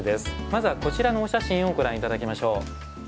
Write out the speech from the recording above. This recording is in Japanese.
まずはこちらのお写真をご覧頂きましょう。